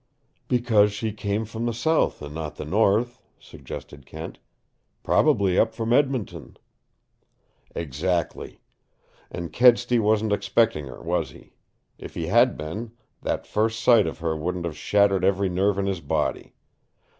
"Because she came from the South and not the North," suggested Kent. "Probably up from Edmonton." "Exactly. And Kedsty wasn't expecting her, was he? If he had been, that first sight of her wouldn't have shattered every nerve in his body.